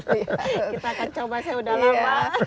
kita akan coba saya udah lama